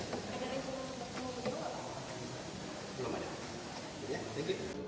jadi itu saja